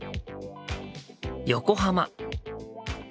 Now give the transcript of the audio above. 横浜。